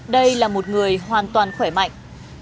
đây là một người hoàn toàn khỏe mạnh